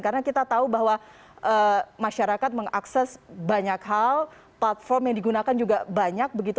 karena kita tahu bahwa masyarakat mengakses banyak hal platform yang digunakan juga banyak begitu